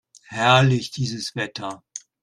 Herrlich, dieses Wetter!